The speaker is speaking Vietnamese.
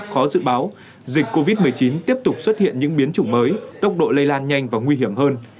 khó dự báo dịch covid một mươi chín tiếp tục xuất hiện những biến chủng mới tốc độ lây lan nhanh và nguy hiểm hơn